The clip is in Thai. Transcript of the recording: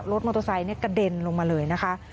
รถมอเตอร์ไซค์กระเด็นลงมาเลยนะคะ